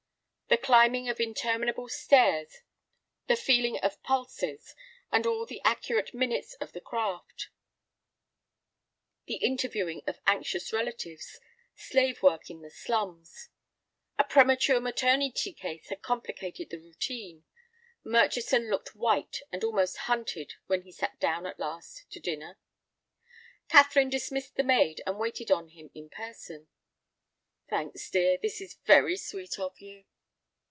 The climbing of interminable stairs, the feeling of pulses, and all the accurate minutes of the craft, the interviewing of anxious relatives, slave work in the slums! A premature maternity case had complicated the routine. Murchison looked white and almost hunted when he sat down at last to dinner. Catherine dismissed the maid and waited on him in person. "Thanks, dear, this is very sweet of you."